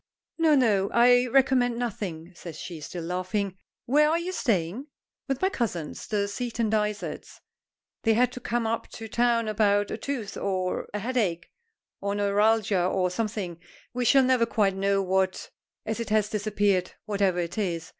"No, no; I recommend nothing," says she, still laughing. "Where are you staying?" "With my cousins, the Seaton Dysarts. They had to come up to town about a tooth, or a headache, or neuralgia, or something; we shall never quite know what, as it has disappeared, whatever it is.